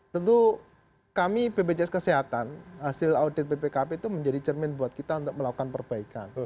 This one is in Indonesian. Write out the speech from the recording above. tentu kami bpjs kesehatan hasil audit bpkp itu menjadi cermin buat kita untuk melakukan perbaikan